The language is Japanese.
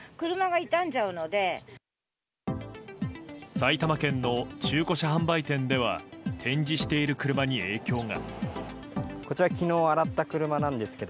埼玉県の中古車販売店では展示している車に影響が。